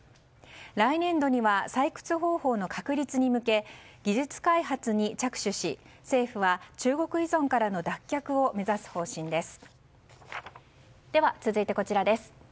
来年度には採掘方法の確立に向け技術開発に着手し政府は中国依存からの脱却を目指す方針です。